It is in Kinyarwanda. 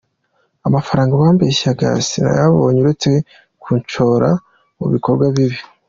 Amafaranga bambeshyaga sinayabonye uretse kunshora mu bikorwa bibi.